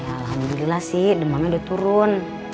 alhamdulillah sih demamnya udah turun